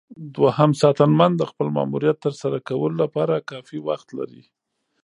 دوهم ساتنمن د خپل ماموریت ترسره کولو لپاره کافي وخت لري.